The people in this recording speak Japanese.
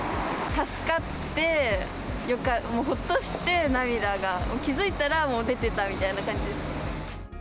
助かって、ほっとして、涙が、気付いたらもう出てたみたいな感じですね。